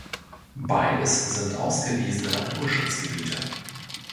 Beides sind ausgewiesene Naturschutzgebiete.